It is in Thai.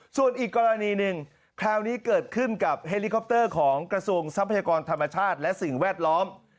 ส่วนอีกกรณีหนึ่งคราวนี้เกิดขึ้นกับเฮลิคอปเตอร์ของกระทรวงทรัพยากรธรรมชาติและสิ่งแวดล้อม